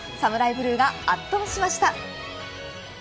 ブルーが圧倒しました。